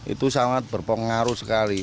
itu sangat berpengaruh sekali